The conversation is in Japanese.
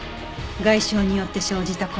外傷によって生じた骨折よ。